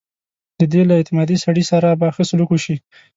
د ده له اعتمادي سړي سره به ښه سلوک وشي.